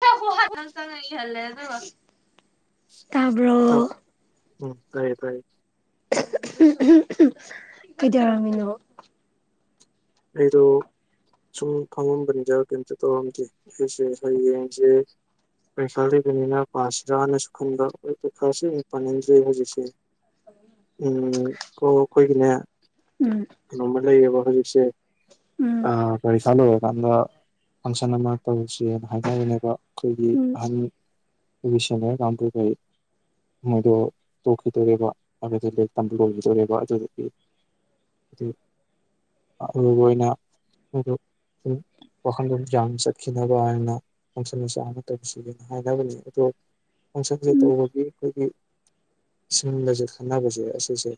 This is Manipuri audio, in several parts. [unintelligible] ꯑ [unintelligible] ꯆꯥꯛ ꯇꯥꯕꯔꯣ ꯎꯝ ꯇꯥꯏ ꯇꯥꯏ ꯀꯩꯗꯧꯔꯝꯃꯤꯅꯣ ꯑꯩꯗꯣ ꯁꯨꯝ ꯐꯝꯃꯝꯕꯅꯤꯗ ꯀꯩꯝꯇ ꯇꯧꯔꯝꯗꯦ ꯑꯩꯁꯦ ꯍꯌꯦꯡꯁꯦ ꯄꯩꯈꯥ ꯂꯩꯕꯅꯤꯅ ꯄꯥꯁꯤꯔꯥꯅꯁꯨ ꯈꯟꯕ ꯄꯩꯈꯥꯁꯦ ꯌꯥꯝ ꯄꯥꯅꯤꯡꯗ꯭ꯔꯦ ꯍꯧꯖꯤꯛꯁꯦ ꯀꯣ ꯑꯩꯈꯣꯏꯒꯤꯅꯦ ꯎꯝ ꯀꯩꯅꯣꯝꯃ ꯂꯩꯕ ꯍꯧꯖꯤꯛꯁꯦ [unintelligible] ꯎꯝ ꯌꯥꯝꯅ ꯐꯪꯁꯟ ꯑꯃ ꯇꯧ꯫ ꯑꯁꯤꯅ ꯍꯥꯏꯅꯃꯤꯕ ꯑꯩꯈꯣꯏꯒꯤ ꯎꯝ ꯑꯍꯟ ꯑꯗꯨꯒꯤ ꯁꯦꯅꯤꯌꯔ ꯀꯥꯡꯕꯨꯈꯩ ꯃꯣꯏꯗꯣ ꯇꯣꯛꯈꯤꯗꯣꯔꯦꯕ ꯍꯥꯏꯗꯤ ꯂꯥꯏꯔꯤꯛ ꯇꯝꯕ ꯂꯣꯏꯈꯤꯗꯣꯔꯦꯕ ꯑꯗꯨꯗꯒꯤ ꯑꯗꯨ꯫ ꯑꯔꯣꯏꯕ ꯑꯣꯏꯅ ꯃꯗꯨ ꯁꯨꯝ ꯋꯥꯈꯟꯗꯣ ꯌꯥꯡꯅ ꯆꯠꯈꯤꯅꯕ ꯍꯥꯏꯅ ꯐꯪꯁꯟ ꯃꯆꯥ ꯑꯃ ꯇꯧꯁꯤꯒꯦꯅ ꯍꯥꯏꯅꯕꯅꯤ ꯑꯗꯣ ꯐꯪꯁꯟꯁꯦ ꯎꯝ ꯇꯧꯕꯒꯤ ꯑꯩꯈꯣꯏꯒꯤ ꯁꯤꯟꯕꯁꯦ ꯈꯟꯅꯕꯁꯦ ꯑꯁꯤꯁꯦ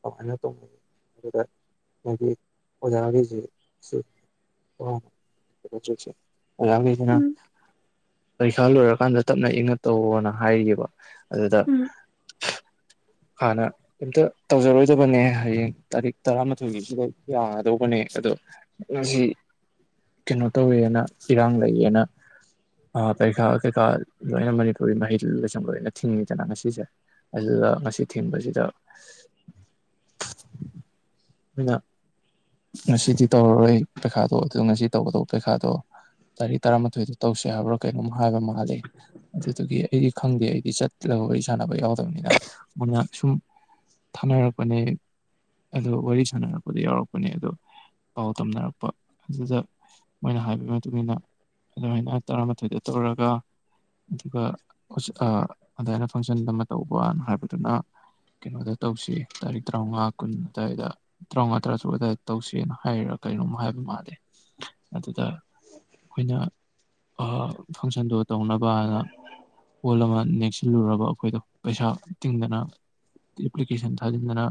ꯀꯃꯥꯏꯅ ꯇꯧꯅ ꯍꯥꯏꯕꯗ ꯍꯥꯏ ꯑꯣꯖꯥꯒꯤꯁꯤ ꯑꯣꯖꯥꯒꯤꯁꯤꯅ ꯎꯝ ꯄꯔꯤꯈꯥ ꯂꯣꯏꯔꯀꯥꯟꯗ ꯇꯞꯅ ꯏꯪꯉ ꯇꯧꯌꯣ ꯍꯥꯏꯔꯤꯑꯕ ꯑꯗꯨꯗ ꯎꯝ ꯍꯥꯟꯅ ꯀꯩꯝꯇ ꯇꯧꯖꯔꯣꯏꯗꯕꯅꯦ ꯍꯌꯦꯡ ꯇꯥꯔꯤꯛ ꯇꯔꯥ ꯑꯩꯈꯣꯏꯒꯤꯁꯤꯗ ꯌꯥꯒꯗꯧꯕꯅꯦ ꯑꯗꯣ ꯑꯩꯁꯤ ꯀꯩꯅꯣ ꯇꯧꯋꯦꯅ ꯏꯔꯥꯡ ꯂꯩꯌꯦꯅ ꯀꯩꯈꯥ ꯀꯩꯀꯥ ꯂꯣꯏꯅ ꯃꯅꯤꯄꯨꯔꯤ ꯃꯍꯩ ꯂꯣꯏꯁꯪ ꯂꯣꯏꯅ ꯊꯤꯡꯉꯤꯗꯅ ꯉꯁꯤꯁꯦ ꯑꯗꯨꯗ ꯉꯁꯤ ꯊꯤꯡꯕꯁꯤꯗ ꯑꯩꯅ ꯉꯁꯤꯗꯤ ꯇꯧꯔꯔꯣꯏ ꯄꯩꯈꯥꯗꯣ ꯑꯗꯨ ꯉꯁꯤ ꯇꯧꯒꯗꯧꯕ ꯄꯩꯈꯥꯗꯣ ꯇꯥꯔꯤꯛ ꯇꯔꯥꯃꯥꯊꯣꯏꯗ ꯇꯧꯁ ꯍꯥꯏꯕ꯭ꯔꯥ ꯀꯩꯅꯣꯝ ꯍꯥꯏꯕ ꯃꯥꯜꯂꯤ ꯑꯗꯨꯗꯨꯒꯤ ꯑꯩꯗꯤ ꯈꯪꯗꯦ ꯑꯩꯗꯤ ꯆꯠꯂꯒ ꯋꯥꯔꯤ ꯁꯥꯟꯅꯕ ꯌꯥꯎꯗꯕꯅꯤꯅ ꯃꯣꯏꯅ ꯁꯁꯨꯝ ꯊꯥꯅꯔꯛꯄꯅꯦ ꯑꯗꯨ ꯋꯥꯔꯤ ꯁꯥꯟꯅꯔꯛꯄꯗ ꯌꯥꯎꯔꯛꯄꯅꯦ ꯑꯗꯨꯗꯣ ꯄꯥꯎ ꯇꯝꯅꯔꯛꯄ ꯑꯗꯨꯗ ꯃꯣꯏꯅ ꯍꯥꯏꯕꯒꯤ ꯃꯇꯨꯡꯏꯟꯅ ꯑꯗꯨꯃꯥꯏꯅ ꯇꯔꯥꯃꯥꯊꯣꯏꯗ ꯇꯧꯔꯒ ꯑꯗꯨꯒ ꯑꯗꯨꯃꯥꯏꯅ ꯐꯪꯁꯟ ꯑꯃ ꯇꯧꯕꯅ ꯍꯥꯏꯕꯗꯨꯅ ꯀꯩꯅꯣꯗ ꯇꯧꯁꯤ ꯇꯥꯔꯤꯛ ꯇꯔꯥꯃꯉꯥ ꯀꯨꯟ ꯑꯗꯨꯋꯥꯏꯗ꯫ ꯇꯔꯥꯃꯉꯥ ꯇꯔꯥ ꯇꯔꯨꯛ ꯑꯗꯨꯋꯥꯏꯗ ꯇꯧꯁꯦꯅ ꯍꯥꯏꯔꯥ ꯀꯔꯤꯅꯣꯝ ꯍꯥꯏꯕ ꯃꯥꯜꯂꯦ ꯑꯗꯨꯗ ꯑꯩꯈꯣꯏꯅ ꯐꯪꯁꯟꯗꯣ ꯇꯧꯅꯕꯅ ꯍꯣꯜ ꯑꯃ ꯅꯦꯛꯁꯤꯜꯂꯨꯔꯕ ꯑꯩꯈꯣꯏꯗꯣ ꯄꯩꯁꯥ ꯇꯤꯡꯗꯅ ꯑꯦꯄ꯭ꯂꯤꯀꯦꯁꯟꯗ [unintelligible] ꯍꯥꯏꯖꯟꯗ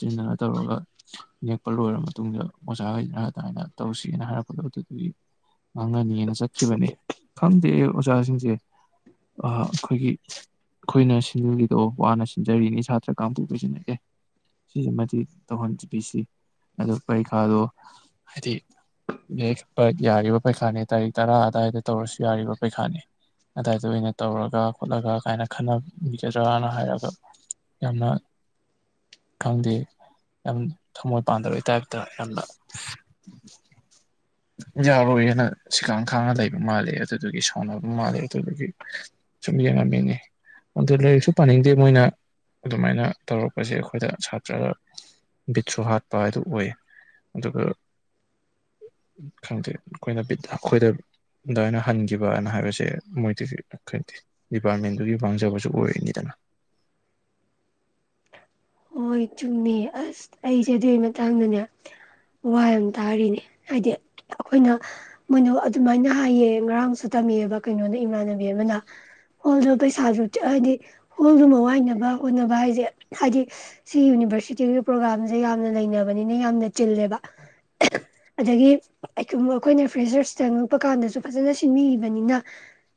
ꯆꯤꯟꯗꯅ ꯇꯧꯔꯒ ꯅꯦꯛꯄ ꯂꯣꯏꯔꯕ ꯃꯇꯨꯡꯗ ꯑꯣꯖꯥ ꯒꯩꯅ ꯑꯗꯥꯏꯅ ꯇꯧꯁꯤꯅ ꯍꯥꯏꯔꯛꯄꯗꯣ ꯑꯗꯨꯗꯒꯤ ꯉꯥꯡꯅꯅꯤꯅ ꯆꯠꯈꯤꯕꯅꯦ꯫ ꯈꯪꯗꯦ ꯑꯣꯖꯥꯁꯤꯡꯁꯦ ꯑꯩꯈꯣꯏꯒꯤ ꯑꯩꯈꯣꯏꯅ ꯁꯤꯟꯂꯤꯗꯣ ꯋꯥꯅ ꯁꯤꯟꯖꯔꯤꯅꯤ ꯁꯥꯇ꯭ꯔ ꯀꯥꯡꯕꯨꯁꯤꯅ ꯑꯦ꯫ ꯁꯤꯃꯗꯤ ꯇꯧꯍꯟꯕꯤꯁꯤ ꯑꯗꯨ ꯄꯔꯤꯈꯥꯗꯣ ꯍꯥꯏꯗꯤ ꯌꯥꯔꯤꯕ ꯄꯔꯤꯈꯥꯅꯤ ꯇꯥꯔꯤꯛ ꯇꯔꯥ ꯑꯗꯨꯗꯥꯋꯥꯏꯗ ꯇꯧꯔꯁꯨ ꯌꯥꯔꯤꯕ ꯄꯔꯤꯈꯥꯅꯤ ꯑꯗꯨꯗꯥꯏꯗ ꯑꯣꯏꯅ ꯇꯧꯔꯒ ꯈꯣꯠꯂꯒ ꯀꯥꯏꯅ ꯈꯟꯅꯕꯤꯒꯗ꯭ꯔꯅ ꯍꯥꯏꯔꯒ ꯌꯥꯝꯅ ꯈꯪꯗꯦ ꯌꯥꯝ ꯊꯃꯣꯏ ꯄꯥꯟꯗꯕꯩ ꯇꯥꯏꯞꯇ ꯌꯥꯝꯅ ꯌꯥꯔꯣꯏꯅ ꯁꯤꯈꯥꯡ ꯈꯥꯡꯅ ꯂꯩꯕ ꯃꯥꯜꯂꯦ ꯑꯗꯨꯒꯤ ꯁꯥꯎꯅꯕ ꯃꯥꯜꯂꯦ ꯑꯗꯨꯒꯤ ꯁꯨꯝ ꯌꯦꯡꯉꯝꯃꯤꯉꯤ ꯑꯗꯨ ꯂꯥꯏꯔꯤꯛꯁꯨ ꯄꯥꯅꯤꯡꯗꯦ ꯃꯣꯏꯅ ꯑꯗꯨꯃꯥꯏꯅ ꯇꯧꯔꯛꯄꯁꯦ ꯑꯩꯈꯣꯏꯗ꯫ ꯁꯥꯇ꯭ꯔ ꯕꯤꯠꯁꯨ ꯍꯥꯠꯄ ꯍꯥꯏꯗꯨ ꯑꯣꯏ ꯑꯗꯨꯒ ꯈꯪꯗꯦ ꯑꯩꯈꯣꯏꯅ ꯕꯤꯠ ꯑꯩꯈꯣꯏꯗ ꯑꯗꯨꯃꯥꯏꯅꯅ ꯍꯟꯈꯤꯕꯅ ꯍꯥꯏꯕꯁꯦ ꯃꯣꯏꯗꯥ ꯈꯪꯗꯦ ꯗꯤꯄꯥꯔꯠꯃꯦꯟꯗꯨꯒꯤ ꯃꯥꯡꯖꯕꯁꯨ ꯑꯣꯏꯅꯤꯗꯅ ꯍꯣꯏ ꯆꯨꯝꯃꯦ ꯑꯁ ꯑꯩꯁꯦ ꯑꯗꯨꯒꯤ ꯃꯇꯥꯡꯗꯅꯦ ꯋꯥ ꯌꯥꯝ ꯇꯥꯔꯤꯅꯦ ꯍꯥꯏꯗꯤ ꯑꯩꯈꯣꯏꯅ ꯃꯣꯏꯗꯨ ꯑꯗꯨꯃꯥꯏꯅ ꯍꯥꯏꯔꯛꯑꯦ ꯉꯔꯥꯡꯁꯨ ꯇꯝꯃꯛꯑꯦꯕ ꯀꯩꯅꯣꯗ ꯏꯃꯥꯟꯅꯕꯤ ꯑꯃꯅ ꯍꯣꯜꯗꯨ ꯄꯩꯁꯥꯁꯨ ꯍꯥꯏꯗꯤ ꯍꯣꯜꯗꯨꯃ ꯋꯥꯏꯅꯕ ꯍꯣꯠꯅꯕ ꯍꯥꯏꯁꯦ ꯍꯥꯏꯗꯤ ꯁꯤ ꯌꯨꯅꯤꯚꯔꯁꯤꯇꯤꯒꯤ ꯄ꯭ꯔꯣꯒꯥ꯭ꯔꯥꯝꯁꯦ ꯌꯥꯝꯅ ꯂꯩꯅꯕꯅꯤꯅ ꯌꯥꯝꯅ ꯆꯤꯜꯂꯦꯕ ꯑꯗꯒꯤ ꯑꯩꯈꯣꯏꯅ ꯐ꯭ꯔꯦꯁꯔꯁ ꯆꯪꯉꯛꯄ ꯀꯥꯟꯗꯁꯨ ꯐꯖꯅ ꯁꯤꯟꯕꯤꯈꯤꯕꯅꯤꯅ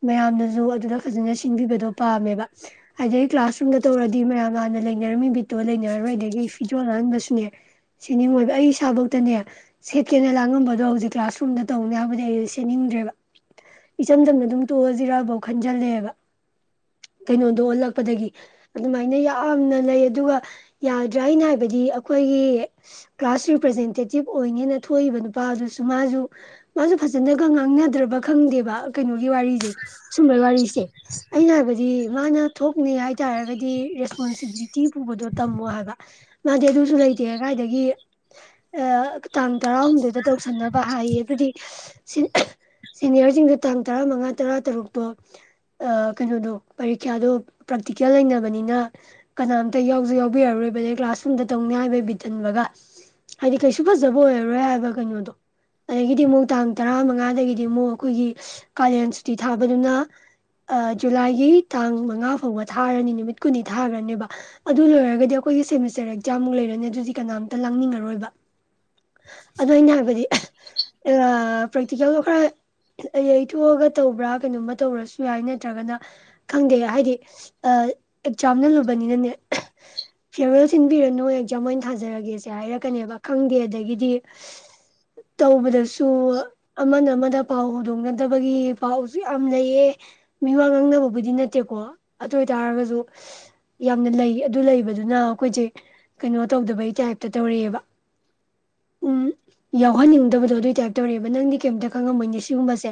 ꯃꯌꯥꯝꯅꯁꯨ ꯑꯗꯨꯗ ꯐꯖꯅ ꯁꯤꯟꯕꯤꯕꯗꯣ ꯄꯥꯝꯃꯦꯕ ꯑꯗꯩ ꯀ꯭ꯂꯥꯁꯔꯨꯝꯗ ꯇꯧꯔꯗꯤ ꯃꯌꯥꯝ ꯍꯥꯟꯅ ꯂꯩꯅꯔꯝꯃꯤ ꯕꯤꯠ ꯇꯣ ꯂꯩꯅꯔꯔꯣꯏ ꯑꯗꯒꯤ ꯐꯤꯖꯣꯜ ꯑꯍꯟꯕꯁꯨꯅꯦ ꯁꯦꯠꯅꯤꯡꯉꯣꯏꯕ ꯑꯩ ꯏꯁꯥꯐꯥꯎꯗꯅꯦ ꯁꯦꯠꯀꯦꯅ ꯂꯥꯡꯉꯝꯕꯗꯣ ꯍꯧꯖꯤꯛ ꯀ꯭ꯂꯥꯁꯔꯨꯝꯗ ꯇꯧꯅꯤ ꯍꯥꯏꯕꯗꯩ ꯁꯦꯠꯅꯤꯡꯗ꯭ꯔꯦꯕ ꯏꯆꯝ ꯆꯝꯅ ꯑꯗꯨꯝ ꯇꯣꯛꯑꯁꯤꯔꯐꯧ ꯈꯟꯖꯜꯂꯛꯑꯦꯕ ꯀꯩꯅꯣꯗꯣ ꯑꯣꯜꯂꯛꯄꯗꯒꯤ ꯑꯗꯨꯃꯥꯏꯅ ꯌꯥꯝꯅ ꯂꯩ ꯑꯗꯨꯒ ꯌꯥꯗ꯭ꯔꯥ ꯍꯥꯏꯅ ꯍꯥꯏꯕꯗꯤ ꯑꯩꯈꯣꯏꯒꯤ ꯀ꯭ꯂꯥꯁ ꯔꯤꯄ꯭ꯔꯖꯦꯟꯇꯦꯇꯤꯞ ꯑꯣꯏꯅꯤꯅ ꯊꯣꯛꯏꯕ ꯅꯨꯄꯥ ꯑꯗꯨꯁꯨ ꯃꯥꯁꯨ ꯃꯥꯁꯨ ꯐꯖꯅꯒ ꯉꯥꯡꯅꯗ꯭ꯔꯕ ꯕ ꯈꯪꯗꯦꯕ ꯀꯩꯅꯣꯒꯤ ꯋꯥꯔꯤꯁꯦ ꯁꯨꯝꯕꯩ ꯋꯥꯔꯤꯁꯦ ꯑꯩꯅ ꯍꯥꯏꯕꯗꯤ ꯃꯥꯅ ꯊꯣꯛꯅꯤ ꯍꯥꯏꯇꯥꯔꯒꯗꯤ ꯔꯦꯁꯄꯣꯟꯁꯤꯕꯤꯂꯤꯇꯤ ꯄꯨꯕꯗꯣ ꯇꯝꯃꯣ ꯍꯥꯏꯕ ꯃꯥꯗꯤ ꯑꯗꯨꯁꯨ ꯂꯩꯇꯦ ꯀꯥꯏꯗꯒꯤ ꯇꯥꯡ ꯇꯔꯥꯍꯨꯝꯗꯣꯏꯗ ꯇꯧꯁꯟꯅꯕ ꯍꯥꯏꯌꯦ ꯑꯗꯨꯗꯤ ꯁꯦꯅꯤꯌꯔꯁꯤꯡꯗꯣ ꯇꯥꯡ ꯇꯔꯥꯃꯉꯥ ꯇꯔꯥ ꯇꯔꯨꯛꯇꯣ ꯀꯩꯅꯣꯗꯣ ꯄꯔꯤꯈ꯭ꯌꯥꯗꯣ ꯄ꯭ꯔꯥꯛꯇꯤꯀꯦꯜ ꯂꯩꯅꯕꯅꯤꯅ ꯀꯅꯥꯝꯇ ꯌꯥꯎꯖꯨ ꯌꯥꯎ ꯕꯥꯔꯥꯔꯣꯏꯕ ꯑꯗꯩ ꯀ꯭ꯂꯥꯁ ꯔꯨꯝꯗ ꯇꯧꯅꯤ ꯍꯥꯏꯕꯩ ꯕꯤꯇꯍꯟꯕꯒ ꯍꯥꯏꯗꯤ ꯀꯩꯁꯨ ꯐꯖꯕ ꯑꯣꯏꯔꯔꯣꯏ ꯍꯥꯏꯕ ꯀꯩꯅꯣꯗꯣ ꯑꯗꯒꯤꯗꯤ ꯑꯃꯨꯛ ꯇꯥꯡ ꯇꯔꯥ ꯃꯉꯥꯗꯒꯤꯗꯤ ꯑꯃꯨꯛ ꯑꯩꯈꯣꯏꯒꯤ ꯀꯥꯂꯦꯟ ꯁꯨꯇꯤ ꯊꯥꯕꯗꯨꯅ ꯑ ꯖꯨꯂꯥꯏ ꯒ ꯇꯥꯡ ꯃꯉꯥ ꯐꯥꯎꯕ ꯊꯥꯔꯅꯤ ꯅꯨꯃꯤꯠ ꯀꯨꯟꯅꯤ ꯊꯥꯈ꯭ꯔꯅꯦꯕ ꯑꯗꯨ ꯂꯣꯏꯔꯒꯗꯤ ꯑꯩꯈꯣꯏꯒꯤ ꯁꯦꯃꯤꯁꯇꯔ ꯑꯦꯛꯖꯥꯝꯃꯨꯛ ꯂꯩꯔꯅꯤ ꯑꯗꯨꯗꯤ ꯀꯅꯥꯝꯇ ꯂꯥꯡꯅꯤꯡꯉꯔꯣꯏꯕ ꯑꯗꯨ ꯑꯩꯅ ꯍꯥꯏꯕꯗꯤ ꯄ꯭ꯔꯦꯛꯇꯤꯀꯦꯜꯗꯣ ꯈꯔ ꯌꯩꯊꯣꯛꯑꯒ ꯇꯧꯕ꯭ꯔꯥ ꯀꯩꯅꯣꯃ ꯇꯧꯔꯁꯨ ꯌꯥꯏ ꯅꯠꯇ꯭ꯔꯒꯅ ꯈꯪꯗꯦ ꯍꯥꯏꯗꯤ ꯑꯦꯛꯖꯥꯝꯅ ꯂꯨꯕꯅꯤꯅꯅꯦ ꯐꯤꯌꯔꯜ ꯁꯤꯟꯕꯤꯔꯅꯨ ꯑꯦꯛꯖꯥꯝ ꯑꯣꯏꯅ ꯊꯥꯖꯔꯒꯦꯁꯦ ꯍꯥꯏꯔꯛꯀꯅꯦꯕ ꯈꯪꯗꯦ ꯑꯗꯒꯤꯗꯤ ꯇꯧꯕꯗꯁꯨ ꯑꯃꯅ ꯑꯃꯗ ꯄꯥꯎ ꯍꯧꯨꯗꯣꯡꯅꯗꯕꯒꯤ ꯄꯥꯎꯁꯨ ꯌꯥꯝ ꯂꯩꯌꯦ ꯃꯤ ꯋꯥ ꯉꯥꯡꯅꯕꯕꯨꯗꯤ ꯅꯠꯇꯦꯀꯣ ꯑꯗꯨ ꯑꯣꯏꯇꯥꯔꯒꯁꯨ ꯌꯥꯝꯅ ꯂꯩ ꯑꯗꯨ ꯂꯩꯕꯗꯨ ꯑꯗꯨꯅ ꯑꯩꯈꯣꯏꯁꯦ ꯀꯩꯅꯣ ꯇꯧꯗꯕꯩ ꯇꯥꯏꯞꯇ ꯇꯧꯔꯛꯑꯦꯕ ꯎꯝ ꯌꯥꯎꯍꯟꯅꯤꯡꯗꯕꯗꯣ ꯑꯗꯨꯏ ꯇꯥꯏꯞꯇ ꯇꯧꯔꯛꯑꯦꯕ ꯅꯪꯗꯤ ꯀꯩꯝꯇ ꯈꯪꯉꯝꯃꯣꯏꯅꯦ ꯁꯤꯒꯨꯝꯕꯁꯦ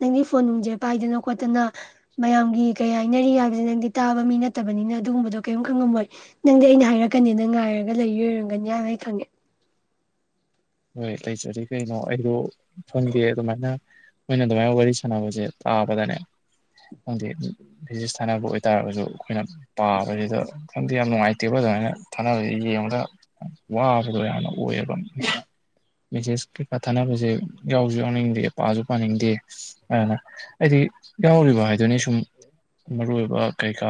ꯅꯪꯗꯤ ꯐꯣꯟ ꯅꯨꯡꯁꯦ ꯄꯥꯏꯗꯅ ꯈꯣꯠꯇꯅ ꯃꯌꯥꯝꯒꯤ ꯀꯩ ꯍꯥꯏꯅꯔꯤ ꯍꯥꯏꯕꯁꯦ ꯅꯪꯗꯤ ꯇꯥꯕ ꯃꯤ ꯅꯠꯇꯕꯅꯤꯅ ꯑꯗꯨꯒꯨꯝꯕꯗꯣ ꯀꯩꯝꯇ ꯈꯪꯉꯝꯃꯣꯏ ꯒ ꯂꯩ ꯑꯣꯏꯔꯝꯒꯅꯤ ꯌꯥꯅ ꯑꯩ ꯊꯪꯉꯦ ꯍꯣꯏ ꯂꯩꯇ꯭ꯔꯗꯤ ꯀꯩꯅꯣ ꯑꯩꯗꯣ ꯈꯪꯗꯦ ꯑꯗꯨꯃꯥꯏꯅ ꯃꯣꯏꯅ ꯑꯗꯨꯃꯥꯏꯅ ꯋꯥꯔꯤ ꯁꯥꯟꯅꯕꯁꯦ ꯇꯥꯕꯗꯅꯦ ꯈꯪꯗꯦ ꯐꯤꯖꯤꯛꯁ ꯊꯥꯅꯕ ꯑꯣꯏꯇꯥꯥꯔꯒꯁꯨ ꯑꯩꯈꯣꯏꯅ ꯄꯥꯕꯁꯤꯗ ꯈꯪꯗꯦ ꯌꯥꯝ ꯅꯨꯡꯉꯥꯏꯇꯦꯕ ꯑꯗꯨꯃꯥꯏꯅ ꯊꯥꯅꯕꯁꯤ ꯌꯦꯡꯉꯒ ꯋꯥꯕꯗꯣ ꯌꯥꯝꯅ ꯑꯣꯏꯌꯦꯕ ꯃꯦꯁꯦꯁ ꯀꯩꯀꯥ ꯊꯥꯅꯕꯁꯦ ꯌꯥꯎꯁꯨ ꯌꯥꯎꯅꯤꯡꯗꯦ ꯄꯥꯁꯨ ꯄꯥꯅꯤꯡꯗꯦ ꯑꯗꯨꯅ ꯍꯥꯏꯗꯤ ꯌꯥꯎꯔꯤꯕ ꯍꯥꯏꯗꯨꯅꯤ ꯁꯨꯝ ꯃꯔꯨ ꯑꯣꯏꯕ ꯀꯩꯀꯥ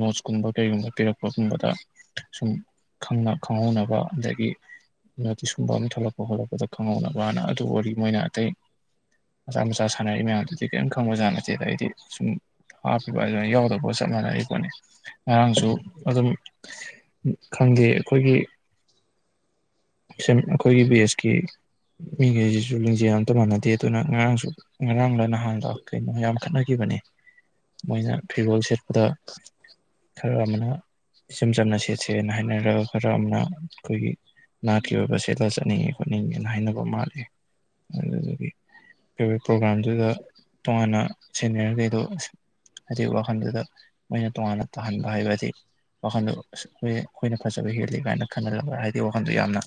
ꯅꯣꯠꯁꯀꯨꯝꯕ ꯀꯩꯒꯨꯝꯕ ꯄꯤꯔꯛꯄꯒꯨꯝꯕꯗ ꯁꯨꯝ ꯈꯪꯍꯧꯅꯕ ꯑꯗꯒꯤ ꯅꯣꯇꯤꯁꯀꯨꯝꯕ ꯑ ꯊꯣꯛꯂꯛꯄ ꯈꯣꯠꯂꯛꯄꯗ ꯈꯪꯍꯧꯅꯕꯅ ꯑꯗꯨ ꯑꯣꯏꯗꯤ ꯃꯣꯏꯅ ꯑꯇꯩ ꯃꯆꯥ ꯃꯆꯥ ꯁꯥꯟꯅꯏ ꯃꯌꯥꯝꯗꯨꯗꯤ ꯀꯔꯤꯝ ꯈꯪꯕꯖꯥꯠ ꯅꯠꯇꯦꯗ ꯑꯩꯗꯤ ꯁꯨꯝ ꯍꯥꯞꯄꯤꯕ ꯑꯗꯨꯃ ꯌꯥꯎꯗꯕ ꯆꯞ ꯃꯥꯟꯅꯏ ꯄꯣꯠꯅꯤ ꯉꯔꯥꯡꯁꯨ ꯑꯗꯨꯝ ꯈꯪꯗꯦ ꯑꯩꯈꯣꯏꯒꯤ ꯑꯩꯈꯣꯏꯒꯤ ꯕꯦꯖꯀꯤ ꯃꯤꯈꯩꯁꯤꯁꯨ ꯂꯤꯡꯖꯦꯜ ꯑꯝꯇ ꯃꯥꯟꯅꯗꯦ ꯑꯗꯨꯅ ꯉꯔꯥꯡꯁꯨ ꯉꯔꯥꯡꯗ ꯅꯍꯥꯟꯒ ꯀꯩꯅꯣ ꯌꯥꯝ ꯈꯠꯅꯈꯤꯕꯅꯤ ꯃꯣꯏꯅ ꯐꯤꯔꯣꯜ ꯁꯦꯠꯄꯗ ꯈꯔ ꯑꯃꯅ ꯏꯆꯝ ꯆꯝꯅ ꯁꯦꯠꯁꯦꯅ ꯍꯥꯏꯅꯔꯒ ꯈꯔ ꯑꯃꯅ ꯑꯩꯈꯣꯏꯒꯤ ꯅꯥꯠꯀꯤ ꯑꯣꯏꯕꯦ ꯁꯗ ꯆꯠꯅꯤꯡꯉꯦ ꯈꯣꯠꯅꯤꯡꯉꯦꯅ ꯍꯥꯏꯅꯕ ꯃꯥꯂꯦ ꯑꯗꯨꯗꯒꯤ ꯄ꯭ꯔꯣꯒꯥꯝꯗꯨꯗ ꯇꯣꯉꯥꯟꯅ ꯁꯦꯅꯤꯌꯔꯈꯩꯗꯨꯣ ꯍꯥꯏꯗꯤ ꯋꯥꯈꯜꯗꯨꯗ ꯃꯣꯏꯅ ꯇꯣꯉꯥꯟꯅ ꯇꯥꯍꯟꯕ ꯍꯥꯏꯕꯗꯤ ꯋꯥꯈꯟꯗꯨ ꯑꯩꯈꯣꯏꯅ ꯐꯖꯕ ꯍꯦꯜꯂꯤ ꯀꯥꯏꯅ ꯈꯟꯍꯜꯂꯒ ꯍꯥꯏꯗꯤ ꯋꯥꯈꯟꯗ ꯌꯥꯝꯅ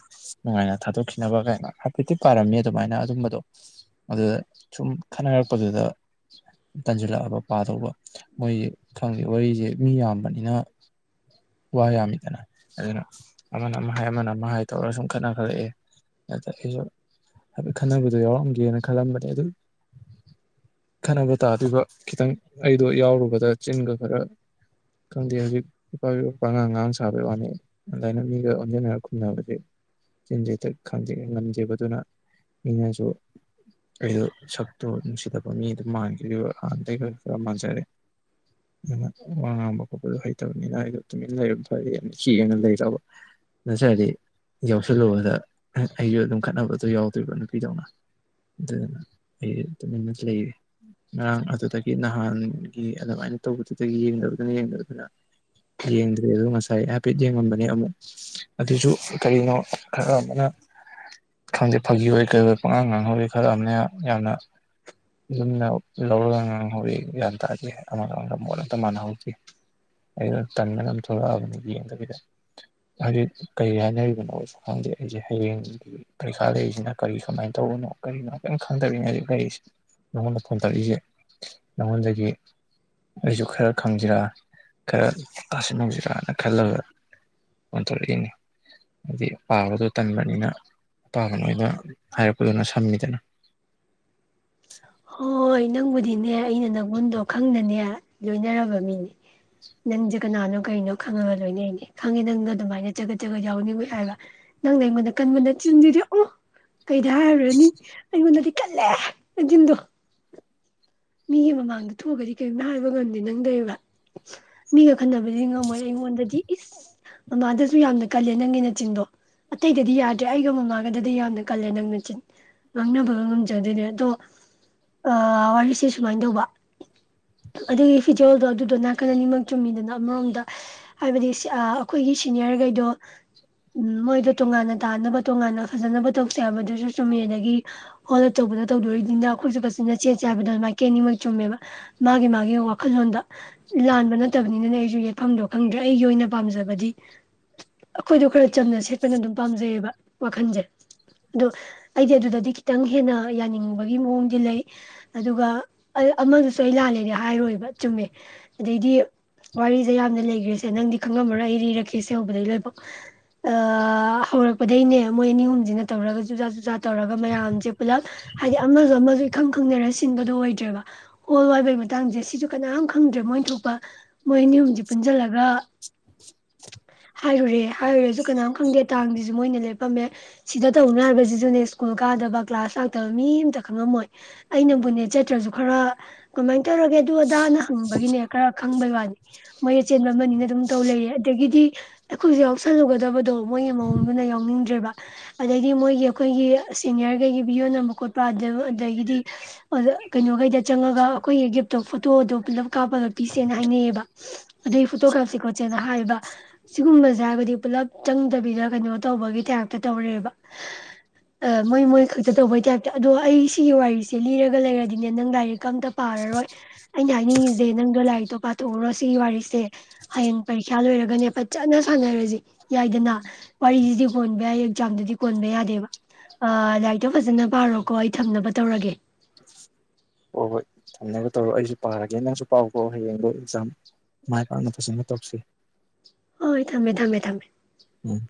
ꯅꯨꯡꯉꯥꯏꯅ ꯊꯥꯗꯣꯛꯈꯤꯅꯕ ꯀꯥꯏꯅ ꯍꯥꯏꯐꯦꯠꯇꯤ ꯄꯥꯔꯝꯃꯦ ꯑꯗꯨꯃꯥꯏꯅ ꯑꯗꯨꯝꯕꯗꯣ ꯑꯗꯨꯗ ꯁꯨꯝ ꯈꯅꯔꯛꯄꯗꯨꯗ ꯇꯟꯁꯤꯜꯂꯛꯑꯕ ꯄꯥꯗꯧꯕ ꯃꯣꯏꯁ ꯈꯪꯗꯦ ꯋꯥꯔꯤꯁꯦ ꯃꯤ ꯌꯥꯝꯕꯅꯤꯅ ꯋꯥ ꯌꯥꯝꯃꯤꯗꯅ ꯑꯗꯨꯅ ꯑꯃꯅ ꯑꯃ ꯍꯥꯏ ꯑꯃꯅ ꯑꯃ ꯍꯥꯏ ꯇꯧꯔꯒ ꯁꯨꯝ ꯈꯠꯅꯈꯠꯂꯛꯑꯦ ꯑꯗ ꯑꯩꯁꯨ ꯍꯥꯏꯦꯠ ꯈꯠꯅꯕꯗꯣ ꯌꯥꯎꯔꯝꯒꯦꯅ ꯈꯜꯂꯝꯕꯅꯦ ꯑꯗꯨ ꯈꯠꯅꯕ ꯇꯥꯗꯣꯏꯕ ꯈꯤꯇꯪ ꯑꯩꯗꯣ ꯌꯥꯎꯔꯨꯕꯗ ꯆꯤꯟꯒ ꯈꯔ ꯈꯪꯗꯦ ꯍꯧꯖꯤꯛ ꯏꯄꯥꯄꯤ ꯃꯄꯥꯒꯥꯡ ꯑꯉꯥꯡ ꯁꯥꯕꯩ ꯋꯥꯅꯤ ꯑꯗꯨꯃꯥꯏꯅ ꯃꯤꯒ ꯑꯣꯟꯁꯤꯟꯅꯔ ꯈꯨꯝꯅꯕꯁꯦ ꯆꯤꯟꯖꯦ ꯈꯥꯡꯖꯦ ꯉꯝꯖꯦꯕꯗꯨꯅ ꯃꯤꯅꯁꯨ ꯑꯩꯗꯣ ꯁꯛꯇꯨ ꯅꯨꯡꯁꯤꯗꯕ ꯃꯤꯗ ꯃꯥꯟꯈꯤ ꯑꯥꯟꯅꯗꯒꯤꯩ ꯈꯔ ꯈꯔ ꯃꯥꯟꯖꯔꯦ ꯑꯗꯨꯅ ꯋꯥ ꯉꯥꯡꯕ ꯈꯣꯠꯄꯗꯣ ꯍꯩꯇꯕꯅꯤꯅ ꯑꯩꯗꯣ ꯇꯨꯃꯤꯟꯅ ꯂꯩꯔꯝ ꯐꯔꯗꯤ ꯌꯥꯝ ꯍꯦꯡꯅ ꯂꯩꯔꯕ ꯅꯆꯗꯤ ꯌꯥꯎꯁꯜꯂꯨꯕꯗ ꯑꯩꯁꯨ ꯑꯗꯨꯝ ꯈꯠꯅꯕꯗꯣ ꯌꯥꯎꯗ꯭ꯔꯤꯕ ꯅꯨꯄꯤꯗꯧꯅ ꯑꯗꯨꯅ ꯑꯩ ꯇꯨꯃꯤꯟꯅ ꯂꯩꯌꯦ ꯉꯔꯥꯡ ꯑꯗꯨꯗꯒꯤ ꯅꯍꯥꯟꯒꯤ ꯑꯗꯨꯃꯥꯏꯅ ꯇꯧꯕꯗꯨꯗꯒꯤ ꯌꯦꯡꯗꯕꯗꯨꯅ ꯌꯦꯡꯗꯕꯗꯨꯅ ꯌꯦꯡꯗ꯭ꯔꯦ ꯑꯗꯣ ꯉꯁꯥꯏ ꯍꯥꯏꯐꯦꯠ ꯌꯦꯡꯉꯝꯕꯅꯦ ꯑꯃꯨꯛ ꯑꯗꯨꯁꯨ ꯀꯔꯤꯅꯣ ꯈꯔ ꯑꯃꯅ ꯈꯪꯗꯦ ꯐꯥꯒꯤ ꯑꯣꯏ ꯀꯔꯤ ꯑꯣꯏꯣꯏ ꯄꯪꯉꯥꯡ ꯉꯥꯡꯍꯧꯋꯤ ꯈꯔ ꯑꯃꯅ ꯌꯥꯝꯅ ꯂꯨꯝꯅ ꯂꯧꯔꯒ ꯉꯥꯡꯍꯧꯋꯤ ꯒ꯭ꯌꯥꯟ ꯇꯥꯗꯦ ꯑꯃꯒ ꯑꯃꯒ ꯃꯣꯠ ꯑꯝꯇ ꯃꯥꯟꯅꯍꯧꯗꯦ ꯑꯩ ꯇꯟꯅ ꯑꯗꯨ ꯊꯣꯛꯂꯛꯑꯕꯅꯤ ꯌꯦꯡꯗꯕꯤꯗ ꯍꯧꯖꯤꯛ ꯀꯔꯤ ꯍꯥꯏꯅꯔꯤꯕ ꯀꯣꯁꯨ ꯈꯪꯗꯦ ꯑꯩꯁꯦ ꯍꯌꯦꯡꯒꯤ ꯄꯔꯤꯈꯥ ꯂꯩꯔꯤꯁꯤꯅ ꯀꯔꯤ ꯁꯨꯃꯥꯏꯅ ꯇꯧꯕꯅꯣ ꯀꯔꯤꯅꯣ ꯀꯔꯤꯝ ꯈꯪꯗꯕꯅ ꯍꯧꯖꯤꯛ ꯂꯩꯔꯤꯁꯦ ꯅꯉꯣꯟꯗ ꯐꯣꯟ ꯇꯧꯔꯛꯏꯁꯦ ꯅꯉꯣꯟꯗꯒꯤ ꯑꯩꯁꯨ ꯈꯔ ꯈꯪꯁꯤꯔ ꯈꯔ ꯇꯥꯁꯤ ꯧꯁꯤ ꯀꯥꯅ ꯈꯜꯂꯕ ꯑꯣꯊꯔ ꯏꯅꯤ ꯍꯥꯏꯗꯤ ꯄꯥꯕꯗꯣ ꯇꯟꯕꯅꯤꯅ ꯑꯄꯥꯕ ꯅꯣꯏ ꯑꯣꯏꯅ ꯍꯥꯏꯔꯛꯄꯗꯨꯅ ꯁꯝꯃꯤꯗꯅ ꯍꯣꯏ ꯅꯪꯕꯨꯗꯤꯅꯦ ꯑꯩꯅ ꯅꯪꯉꯣꯟꯗꯣ ꯈꯪꯅꯅꯦ ꯂꯣꯏꯅꯔꯕ ꯃꯤꯅꯦ ꯅꯪꯁꯦ ꯀꯅꯥꯅꯣ ꯀꯩꯅꯣ ꯈꯪꯉꯒ ꯂꯣꯏꯅꯔꯤꯅꯦ ꯈꯪꯉꯦ ꯅꯪꯅ ꯑꯗꯨꯃꯥꯏꯅ ꯆꯒꯠ ꯆꯒꯠ ꯌꯥꯎꯅꯤꯡꯉꯣꯏ ꯍꯥꯏꯕ ꯅꯪꯅ ꯑꯩꯉꯣꯟꯗ ꯀꯟꯕꯅ ꯆꯤꯟꯁꯤꯔꯑꯣ ꯀꯩꯗ ꯍꯥꯏꯔꯨꯔꯅꯤ ꯑꯩꯉꯣꯟꯗꯗꯤ ꯂꯦ ꯖꯤꯗꯨꯣ ꯃꯤꯒꯤ ꯃꯃꯥꯡꯗ ꯊꯣꯛꯑꯒꯗꯤ ꯀꯔꯤꯝꯅ ꯍꯥꯏꯕ ꯉꯝꯗꯦ ꯅꯪꯗꯣꯏꯒ ꯃꯤꯒ ꯈꯟꯅꯕꯗꯤ ꯉꯝꯃꯣꯏ ꯑꯩꯉꯣꯟꯗꯗꯤ ꯏꯁ ꯃꯃꯥꯗꯁꯨ ꯌꯥꯝꯅ ꯀꯜꯂꯦ ꯅꯪꯒꯤ ꯅꯆꯤꯟꯗꯣ ꯑꯇꯩꯗꯗꯤ ꯌꯥꯗ꯭ꯔꯦ ꯑꯩꯒ ꯃꯃꯥꯒꯗꯗꯤ ꯌꯥꯝꯅ ꯀꯜꯂꯦ ꯅꯪꯅꯆꯤꯟ ꯉꯥꯡꯅꯕ ꯉꯝꯖꯗꯣꯏꯅꯦ ꯑꯗꯣ ꯋꯥꯔꯤꯁꯦ ꯑꯗꯨꯃꯥꯏꯅ ꯇꯧꯕ ꯑꯗꯨꯒꯤ ꯐꯤꯖꯣꯜꯗꯣ ꯑꯗꯨꯗꯣ ꯅꯥꯀꯟ ꯑꯅꯤꯃꯛ ꯆꯨꯝꯃꯤꯗꯅ ꯑꯃꯔꯣꯝꯗ ꯍꯥꯏꯕꯗꯤ ꯑꯩꯈꯣꯏꯒꯤ ꯁꯤꯅꯤꯌꯔꯈꯩꯗꯣ ꯃꯣꯏꯗꯣ ꯇꯣꯉꯥꯟꯅ ꯇꯥꯅꯕ ꯇꯣꯉꯥꯟꯅ ꯐꯖꯅꯕ ꯄꯨ ꯇꯧꯁꯦ ꯍꯥꯏꯕꯗꯨꯁꯨ ꯆꯨꯝꯃꯤ ꯑꯗꯒꯤ ꯍꯣꯜ ꯑꯆꯧꯕꯗ ꯇꯧꯗꯣꯔꯤꯅꯤꯅ ꯑꯩꯈꯣꯏꯁꯨ ꯀꯆꯟꯅ ꯆꯦꯠꯁꯦ ꯍꯥꯏꯕꯗꯣꯥꯏ ꯀꯦꯅꯤꯃꯛ ꯆꯨꯝꯃꯦꯕ ꯃꯥꯒꯤ ꯃꯥꯒꯤ ꯋꯥꯈꯜꯂꯣꯟꯗ ꯂꯥꯟꯕ ꯅꯠꯇꯕꯅꯤꯅꯅꯦ ꯑꯩꯁꯨ ꯌꯦꯛꯐꯝꯗꯣ ꯈꯪꯗ꯭ꯔꯦ ꯑꯩꯒꯤ ꯑꯣꯏꯅ ꯄꯥꯝꯖꯕꯗꯤ ꯑꯩꯈꯣꯏꯗꯣ ꯈꯔ ꯆꯝꯅ ꯁꯦꯠꯄꯅ ꯑꯗꯨꯝ ꯄꯥꯝꯖꯩꯑꯕ ꯋꯥꯈꯟꯁꯦ ꯑꯗꯣ ꯑꯩꯗꯤ ꯑꯗꯨꯗꯗꯤ ꯈꯤꯇꯪ ꯍꯦꯟꯅ ꯌꯥꯅꯤꯡꯕꯒꯤ ꯃꯑꯣꯡꯗꯤ ꯂꯩ ꯑꯗꯨꯒ ꯑꯃꯗꯨꯁꯨ ꯑꯩ ꯂꯥꯜꯂꯦꯅꯦ ꯍꯥꯏꯔꯣꯏꯕ ꯆꯨꯝꯃꯦ ꯑꯗꯩꯗꯤ ꯋꯥꯔꯤꯁꯦ ꯌꯥꯝꯅ ꯂꯩꯈ꯭ꯔꯤꯁꯦ ꯅꯪꯗꯤ ꯈꯪꯉꯝꯃꯔꯣꯏ ꯑꯩ ꯂꯤꯔꯛꯈꯤꯦꯁꯦ ꯍꯧꯕꯗꯒꯤꯩ ꯂꯣꯏꯕꯛ ꯍꯧꯔꯛꯄꯗꯒꯤꯩꯅꯦ ꯃꯣꯏ ꯑꯅꯤ ꯑꯍꯨꯝꯁꯤꯅ ꯇꯧꯔꯒ ꯆꯨꯖꯥ ꯆꯨꯖꯥ ꯇꯧꯔꯒ ꯃꯌꯥꯝꯁꯦ ꯄꯨꯂꯞ ꯍꯥꯏꯗꯤ ꯑꯃꯁꯨ ꯑꯃꯁꯨ ꯏꯈꯪ ꯈꯪꯅꯔ ꯁꯤꯟꯕꯗꯣ ꯑꯣꯏ ꯍ ꯋꯥꯏꯕꯒꯤ ꯃꯇꯥꯡꯁꯦ ꯁꯤꯁꯨ ꯀꯅꯥꯝ ꯈꯪꯗ꯭ꯔꯦ ꯃꯣꯏ ꯊꯣꯛꯄ ꯃꯣꯏ ꯅꯤ ꯄꯨꯂ ꯍꯥꯏꯔꯨꯔꯦ ꯍꯥꯏꯔꯨꯔꯁꯨ ꯀꯅꯥꯝ ꯈꯪꯗꯦ ꯇꯥꯡꯁꯤꯁꯨ ꯃꯣꯏꯅ ꯂꯦꯞꯄꯝꯃꯦ ꯁꯤꯗ ꯇꯧꯅ ꯍꯥꯏꯕꯁꯤꯁꯨꯅꯦ ꯁꯀꯨꯜ ꯀꯥꯗꯕ ꯀ꯭ꯂꯥꯁ ꯂꯥꯛꯇꯕ ꯃꯤ ꯑꯃꯇ ꯈꯪꯂꯝꯝꯃꯣꯏ ꯑꯩꯅꯕꯨꯟꯅ ꯆꯠꯇ꯭ꯔꯁꯨ ꯈꯔ ꯀꯃꯥꯏꯅ ꯇꯧꯔꯒꯦ ꯑꯗꯨ ꯑꯗꯥꯅ ꯍꯪꯕꯒꯤꯅꯦ ꯈꯔ ꯈꯪꯕꯩ ꯋꯥꯅꯤ ꯃꯣꯏ ꯑ ꯆꯦꯟꯕ ꯑꯃꯅꯤꯅ ꯑꯗꯨꯝ ꯇꯧ ꯂꯩꯌꯦ ꯑꯗꯒꯤꯗꯤ ꯑꯩꯈꯣꯏꯁꯨꯦ ꯌꯥꯎꯁꯜꯂꯨꯒꯗꯕꯗꯣ ꯃꯣꯏꯒꯤ ꯃꯑꯣꯡꯗꯨꯅ ꯌꯥꯎꯅꯤꯡꯗ꯭ꯔꯦꯕ ꯑꯗꯩꯗꯤ ꯃꯣꯏꯒꯤ ꯑꯩꯈꯣꯏꯒꯤ ꯁꯦꯅꯤꯌꯔꯈꯩꯒꯤ ꯕꯤꯌꯣꯟ ꯅꯕ ꯈꯣꯠꯄ ꯑꯗꯒꯤꯗꯤ ꯀꯩꯅꯣꯈꯩꯗ ꯆꯪꯉꯒ ꯑꯩꯈꯣꯏꯒꯤ ꯒꯤꯞꯇ ꯐꯣꯇꯣꯗꯣ ꯄꯨꯜꯂꯞ ꯀꯥꯞꯄꯒ ꯄꯤꯁꯦꯅ ꯍꯥꯏꯅꯩꯌꯦꯕ ꯑꯗꯨꯩ ꯐꯣꯇꯣ ꯀꯥꯞꯁꯦ ꯈꯣꯠꯁꯦꯅ ꯍꯥꯏꯌꯦꯕ ꯁꯤꯒꯨꯝꯕꯁꯦ ꯍꯥꯏꯔꯒꯗꯤ ꯄꯨꯜꯂꯞ ꯆꯪꯗꯕꯤꯗ ꯀꯩꯅꯣ ꯇꯧꯕꯒꯤ ꯇꯥꯏꯞꯇ ꯇꯧꯔꯦꯕ ꯃꯣꯏ ꯃꯣꯏ ꯈꯛꯇ ꯇꯧꯕꯒꯤ ꯇꯥꯏꯞꯇ ꯑꯗꯣ ꯑꯩ ꯁꯤꯒꯤ ꯋꯥꯔꯤꯁꯦ ꯂꯤꯔꯒ ꯂꯩꯔꯗꯤ ꯅꯦ ꯅꯪ ꯂꯥꯏꯔꯤꯛ ꯑꯝꯇ ꯄꯥꯔꯔꯣꯏ ꯑꯩꯅ ꯍꯥꯏꯅꯤꯡꯉꯤꯁꯦ ꯅꯪꯗꯣ ꯂꯥꯏꯔꯤꯛꯇꯣ ꯄꯥꯊꯣꯛꯎꯔꯣ ꯁꯤꯒꯤ ꯋꯥꯔꯤꯁꯦ ꯍꯌꯦꯡ ꯄꯔꯤꯈ꯭ꯌꯥ ꯂꯣꯏꯔꯒꯅꯦ ꯐꯖꯅ ꯁꯥꯟꯅꯔꯁꯤꯦ ꯌꯥꯏꯗꯅ ꯋꯥꯔꯤꯁꯤꯗꯤ ꯀꯣꯟꯕ ꯌꯥꯏ ꯑꯦꯛꯖꯥꯝꯗꯨꯗꯤ ꯀꯣꯟꯕ ꯌꯥꯗꯦꯕ ꯂꯥꯏꯔꯤꯛꯇꯣ ꯐꯖꯅ ꯄꯥꯔꯣꯀꯣ ꯑꯩ ꯊꯝꯅꯕ ꯇꯧꯔꯒꯦ ꯁꯝꯅꯕ ꯇꯧꯔꯣ ꯑꯩꯁꯨ ꯄꯥꯔꯒꯦ ꯅꯪꯁꯨ ꯄꯥꯎꯈꯣ ꯍꯌꯦꯡꯗꯣ ꯑꯦꯛꯖꯥꯝ ꯃꯥꯏ ꯄꯥꯛꯅ ꯐꯖꯅ ꯇꯧꯁꯤ ꯍꯣꯏ ꯊꯝꯃꯦ ꯊꯝꯃꯦ ꯊꯝꯃꯦ ꯎꯝ